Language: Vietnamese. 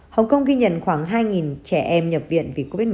hồng kông ghi nhận khoảng hai trẻ em nhập viện vì covid một mươi chín